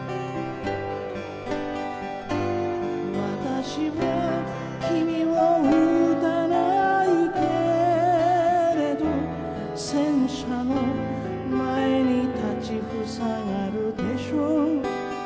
「わたしは君を撃たないけれど戦車の前に立ち塞がるでしょう」